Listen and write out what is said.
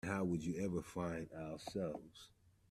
And how would we ever find ourselves.